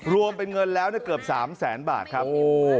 รวมเป็นเงินแล้วเกือบ๓แสนบาทครับ